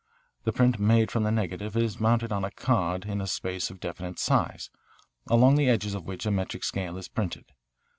The print made from the negative is mounted on a card in a space of definite size, along the edges of which a metric scale is printed.